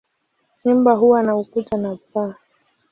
Nyumba huwa na ukuta na paa.